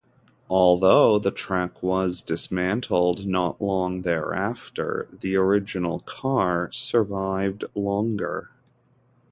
Although the track was dismantled not long thereafter, the original car survived longer.